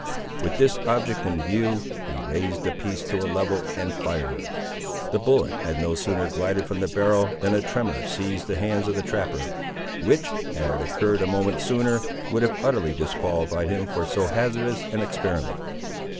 With this object in view, he raised the piece to a level and fired. The bullet had no sooner glided from the barrel than a tremor seized the hands of the trapper, which, had it occurred a moment sooner, would have utterly disqualified him for so hazardous an experiment.